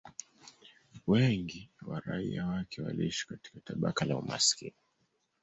Wengi wa raia wake waliishi katika tabaka la umaskini